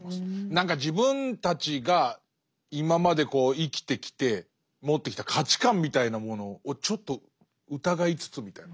何か自分たちが今まで生きてきて持ってきた価値観みたいなものをちょっと疑いつつみたいな。